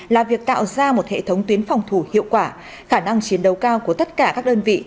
là việc tạo ra một hệ thống tuyến phòng thủ hiệu quả khả năng chiến đấu cao của tất cả các đơn vị